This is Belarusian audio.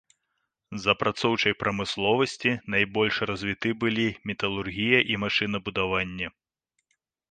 З апрацоўчай прамысловасць найбольш развіты былі металургія і машынабудаванне.